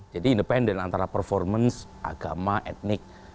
jadi independen antara performance agama etnik